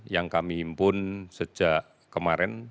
yang kami impun sejak kemarin